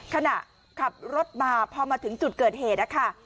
ขณะขับรถมาพอมาถึงจุดเกิดเหตุนะคะ